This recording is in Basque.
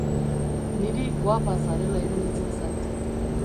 Niri goapa zarela iruditzen zait.